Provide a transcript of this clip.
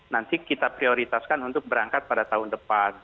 nanti kita prioritaskan untuk berangkat pada tahun depan